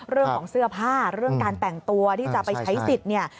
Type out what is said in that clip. เรื่องของเสื้อผ้าเรื่องการแต่งตัวที่จะไปใช้สิทธิ์เนี่ย